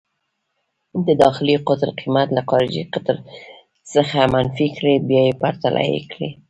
د داخلي قطر قېمت له خارجي قطر څخه منفي کړئ، بیا پرتله یې کړئ.